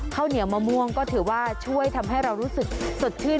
ข้าวเหนียวมะม่วงก็ถือว่าช่วยทำให้เรารู้สึกสดชื่น